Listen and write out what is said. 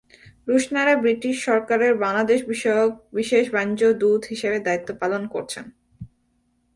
Rushnara British সরকারের বাংলাদেশবিষয়ক বিশেষ বাণিজ্য দূত হিসেবে দায়িত্ব পালন করছেন।